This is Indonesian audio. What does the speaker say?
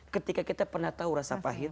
ketika kita pernah tahu rasa pahit